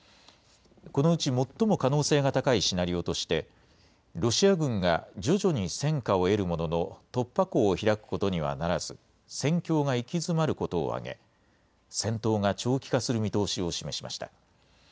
このうち最も可能性が高いシナリオとして、ロシア軍が徐々に戦果を得るものの、突破口を開くことにはならず、戦況が行き詰まることを挙げ、戦闘が長期化する見通しを示しました。